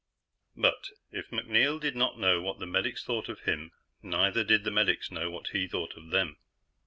But, if MacNeil did not know what the medics thought of him, neither did the medics know what he thought of them.